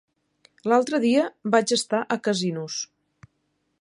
L'altre dia vaig estar a Casinos.